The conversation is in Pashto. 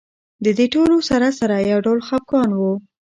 د دې ټولو سره سره یو ډول خپګان و.